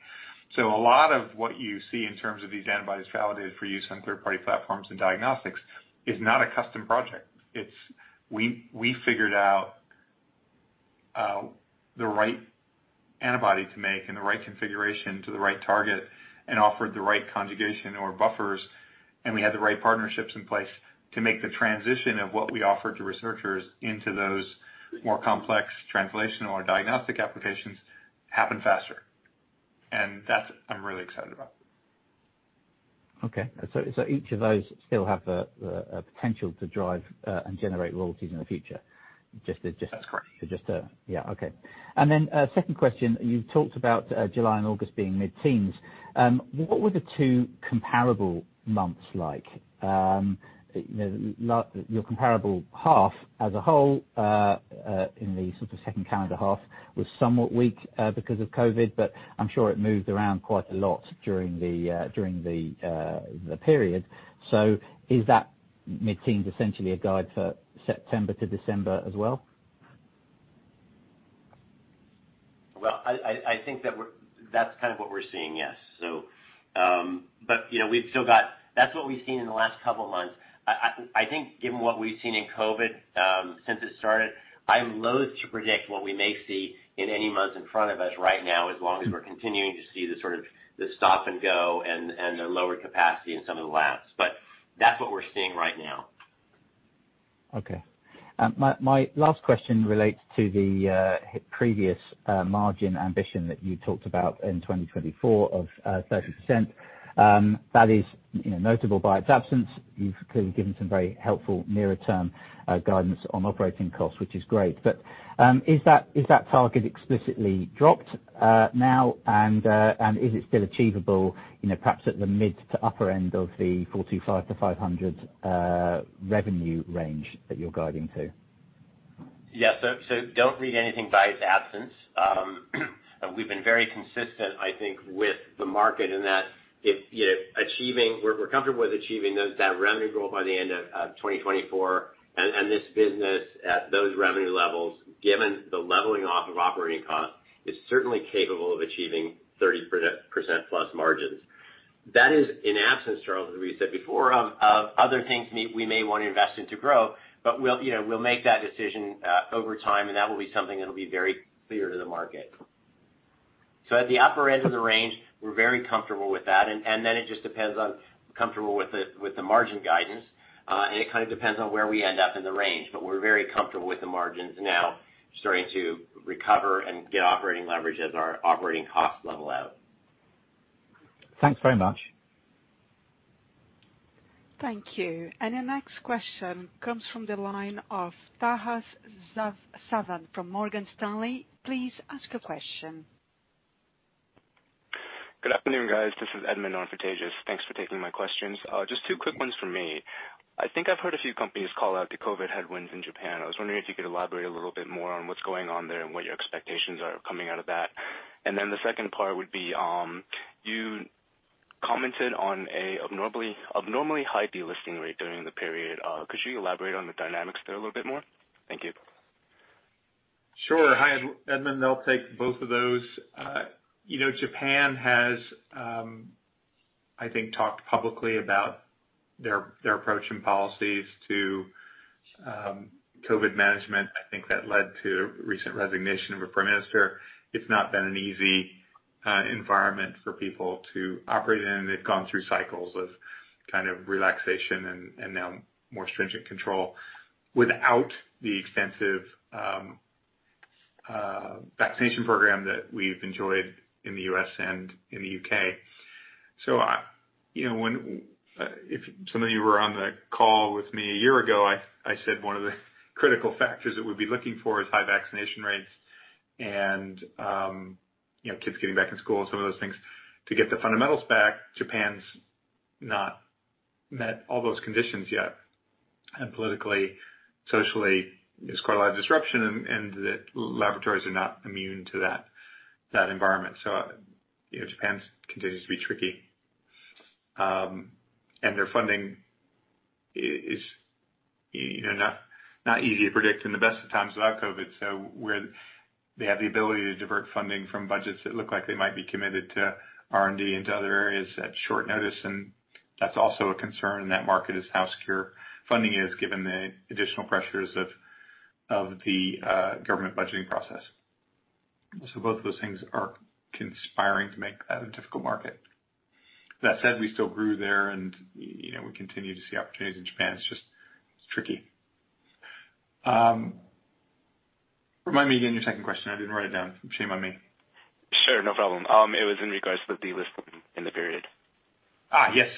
S3: A lot of what you see in terms of these antibodies validated for use on third-party platforms and diagnostics is not a custom project. It's we figured out the right antibody to make and the right configuration to the right target and offered the right conjugation or buffers, and we had the right partnerships in place to make the transition of what we offer to researchers into those more complex translational or diagnostic applications happen faster. That, I'm really excited about.
S8: Okay. Each of those still have the potential to drive and generate royalties in the future.
S3: That's correct.
S8: Yeah. Okay. 2nd question. You've talked about July and August being mid-teens. What were the two comparable months like? Your comparable half as a whole, in the sort of 2nd calendar half, was somewhat weak because of COVID, but I'm sure it moved around quite a lot during the period. Is that mid-teens essentially a guide for September to December as well?
S3: Well, I think that's kind of what we're seeing, yes. That's what we've seen in the last couple of months. I think given what we've seen in COVID, since it started, I'm loathe to predict what we may see in any months in front of us right now, as long as we're continuing to see the sort of the stop and go and the lower capacity in some of the labs. That's what we're seeing right now.
S8: Okay. My last question relates to the previous margin ambition that you talked about in 2024 of 30%. That is notable by its absence. You've clearly given some very helpful nearer term guidance on operating costs, which is great. Is that target explicitly dropped now and is it still achievable perhaps at the mid to upper end of the 425-500 revenue range that you're guiding to?
S3: Yeah. Don't read anything by its absence. We've been very consistent, I think, with the market, in that we're comfortable with achieving that revenue goal by the end of 2024 and this business at those revenue levels, given the leveling off of operating costs, is certainly capable of achieving 30+% margins. That is in absence, Charles, as we said before, of other things we may want to invest in to grow, but we'll make that decision over time and that will be something that will be very clear to the market. At the upper end of the range, we're very comfortable with that. Then it just depends on comfortable with the margin guidance. It kind of depends on where we end up in the range, but we're very comfortable with the margins now starting to recover and get operating leverage as our operating costs level out.
S8: Thanks very much.
S1: Thank you. The next question comes from the line of Tejas Savant from Morgan Stanley. Please ask a question.
S9: Good afternoon, guys. This is Tom Burlton. Thanks for taking my questions. Just two quick ones from me. I think I've heard a few companies call out the COVID headwinds in Japan. I was wondering if you could elaborate a little bit more on what's going on there and what your expectations are coming out of that. The second part would be, you commented on a abnormally high delisting rate during the period. Could you elaborate on the dynamics there a little bit more? Thank you.
S3: Sure. Hi, Tom. I'll take both of those. Japan has, I think, talked publicly about their approach and policies to COVID management. I think that led to recent resignation of a prime minister. It's not been an easy environment for people to operate in. They've gone through cycles of kind of relaxation and now more stringent control without the extensive vaccination program that we've enjoyed in the U.S. and in the U.K. If some of you were on the call with me a year ago, I said one of the critical factors that we'd be looking for is high vaccination rates and kids getting back in school and some of those things to get the fundamentals back. Japan's not met all those conditions yet. Politically, socially, there's quite a lot of disruption, and the laboratories are not immune to that environment. Japan continues to be tricky. Their funding is not easy to predict in the best of times without COVID. Where they have the ability to divert funding from budgets that look like they might be committed to R&D into other areas at short notice, and that's also a concern in that market, is how secure funding is given the additional pressures of the government budgeting process. Both of those things are conspiring to make that a difficult market. That said, we still grew there and we continue to see opportunities in Japan. It's just tricky. Remind me again your second question. I didn't write it down. Shame on me.
S9: Sure. No problem. It was in regards to the delisting in the period.
S3: Yes.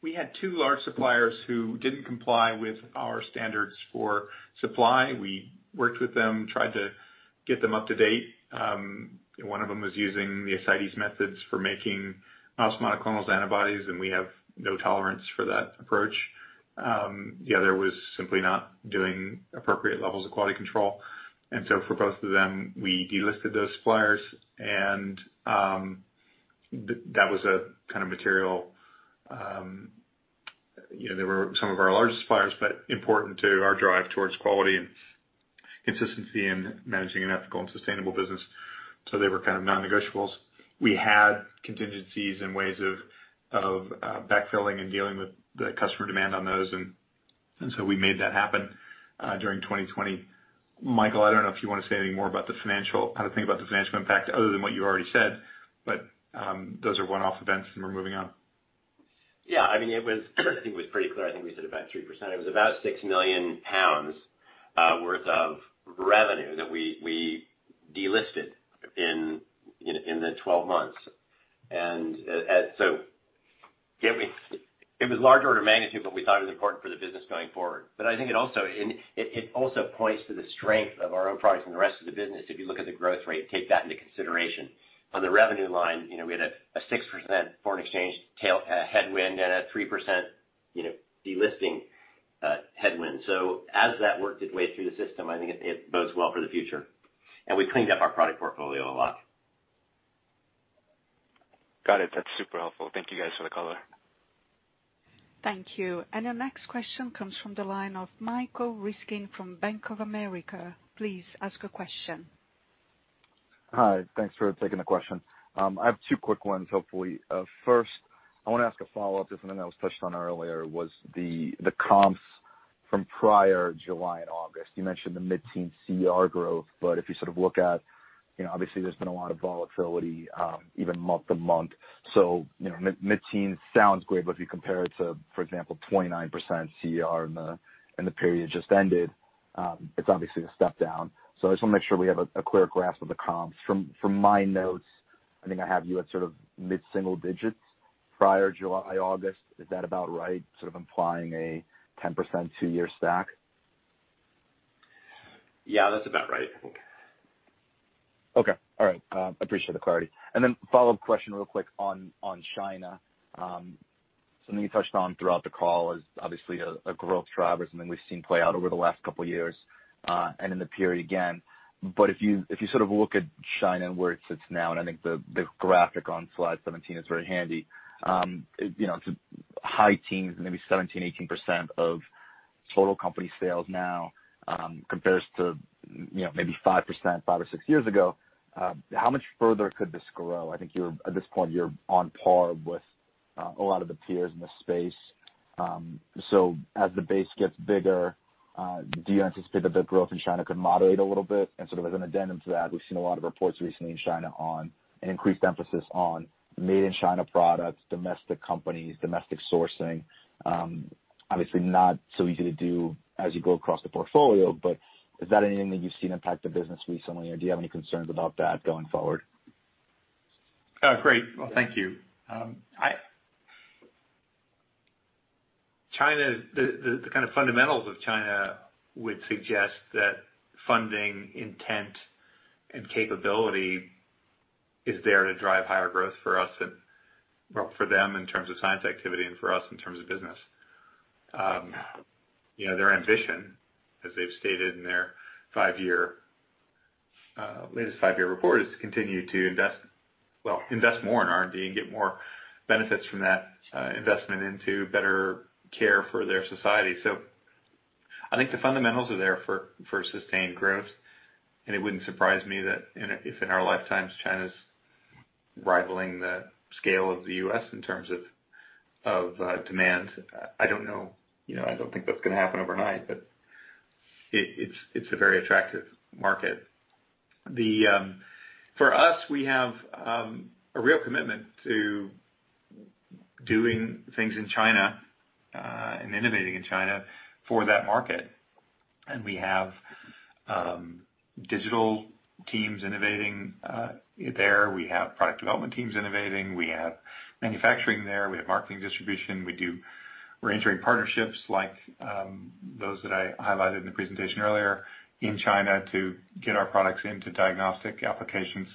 S3: We had two large suppliers who didn't comply with our standards for supply. We worked with them, tried to get them up to date. 1 of them was using the ascites methods for making mouse monoclonal antibodies, and we have no tolerance for that approach. The other was simply not doing appropriate levels of quality control. For both of them, we delisted those suppliers. They were some of our largest suppliers, but important to our drive towards quality and consistency in managing an ethical and sustainable business. They were kind of non-negotiables. We had contingencies and ways of backfilling and dealing with the customer demand on those, and so we made that happen during 2020. Michael, I don't know if you want to say anything more about the financial impact other than what you already said. Those are one-off events and we're moving on.
S4: Yeah, I think it was pretty clear. I think we said about 3%. It was about £6 million worth of revenue that we delisted in the 12 months. It was large order of magnitude, but we thought it was important for the business going forward. I think it also points to the strength of our own products and the rest of the business. If you look at the growth rate, take that into consideration. On the revenue line, we had a 6% foreign exchange headwind and a 3% delisting headwind. As that worked its way through the system, I think it bodes well for the future. We cleaned up our product portfolio a lot.
S9: Got it. That's super helpful. Thank you guys for the color.
S1: Thank you. Our next question comes from the line of Michael Ryskin from Bank of America. Please ask a question.
S10: Hi. Thanks for taking the question. I have two quick ones, hopefully. First, I want to ask a follow-up to something that was touched on earlier, was the comps from prior July and August. You mentioned the mid-teen CER growth. If you sort of look at, obviously, there's been a lot of volatility even month-to-month. Mid-teen sounds great, but if you compare it to, for example, 29% CER in the period just ended, it's obviously a step down. I just want to make sure we have a clear grasp of the comps. From my notes, I think I have you at sort of mid-single digits prior July, August. Is that about right? Sort of implying a 10% two-year stack.
S4: Yeah, that's about right.
S10: Okay. All right. I appreciate the clarity. A follow-up question real quick on China. Something you touched on throughout the call is obviously a growth driver, something we've seen play out over the last two years and in the period again. If you sort of look at China and where it sits now, I think the graphic on slide 17 is very handy. It's high teens, maybe 17%-18% of total company sales now compares to maybe 5%, five or six years ago. How much further could this grow? I think at this point, you're on par with a lot of the peers in the space. As the base gets bigger, do you anticipate that the growth in China could moderate a little bit? Sort of as an addendum to that, we've seen a lot of reports recently in China on an increased emphasis on made-in-China products, domestic companies, domestic sourcing. Obviously not so easy to do as you go across the portfolio, but is that anything that you've seen impact the business recently, or do you have any concerns about that going forward?
S3: Great. Well, thank you. The kind of fundamentals of China would suggest that funding intent and capability is there to drive higher growth for us, and well, for them in terms of science activity and for us in terms of business. Their ambition, as they've stated in their latest five-year report, is to continue to invest more in R&D and get more benefits from that investment into better care for their society. I think the fundamentals are there for sustained growth, and it wouldn't surprise me that if in our lifetimes, China's rivaling the scale of the U.S. in terms of demand. I don't know. I don't think that's going to happen overnight. It's a very attractive market. For us, we have a real commitment to doing things in China, and innovating in China for that market. We have digital teams innovating there. We have product development teams innovating. We have manufacturing there. We have marketing distribution. We're entering partnerships like those that I highlighted in the presentation earlier in China to get our products into diagnostic applications.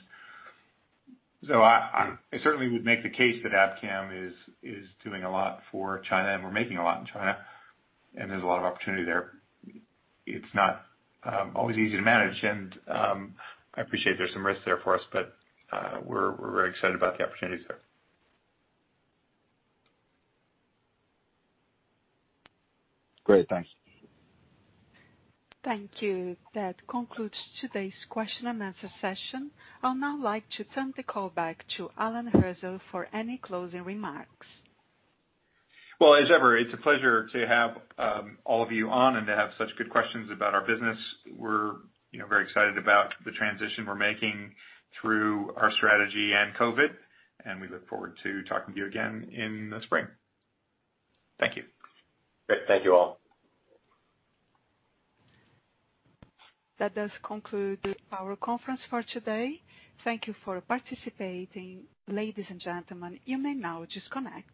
S3: I certainly would make the case that Abcam is doing a lot for China, and we're making a lot in China, and there's a lot of opportunity there. It's not always easy to manage, and I appreciate there's some risk there for us, but we're very excited about the opportunities there.
S10: Great. Thanks.
S1: Thank you. That concludes today's question and answer session. I'll now like to turn the call back to Alan Hirzel for any closing remarks.
S3: As ever, it's a pleasure to have all of you on and to have such good questions about our business. We're very excited about the transition we're making through our strategy and COVID, and we look forward to talking to you again in the spring. Thank you.
S4: Great. Thank you all.
S1: That does conclude our conference for today. Thank you for participating. Ladies and gentlemen, you may now disconnect.